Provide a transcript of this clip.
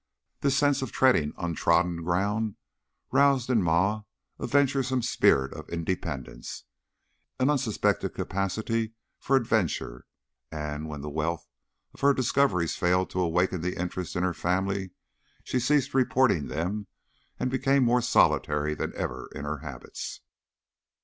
This sense of treading untrodden ground roused in Ma a venturesome spirit of independence, an unsuspected capacity for adventure, and when the wealth of her discoveries failed to awaken interest in her family she ceased reporting them and became more solitary than ever in her habits.